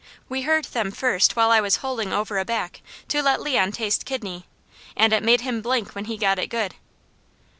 We heard them first while I was holding over a back to let Leon taste kidney, and it made him blink when he got it good.